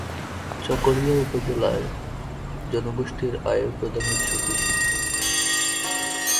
চকরিয়া উপজেলার জনগোষ্ঠীর আয়ের প্রধান উৎস কৃষি।